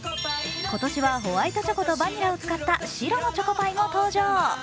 今年はホワイトチョコとバニラを使った白のチョコパイも登場。